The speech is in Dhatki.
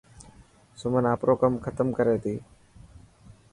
سمن آپرو ڪم ختم ڪري تي.